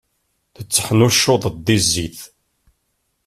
Tetteḥnuccuḍeḍ di zzit.